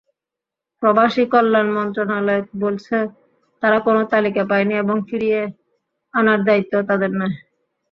প্রবাসীকল্যাণ মন্ত্রণালয় বলছে, তারা কোনো তালিকা পায়নি এবং ফিরিয়ে আনার দায়িত্বও তাদের নয়।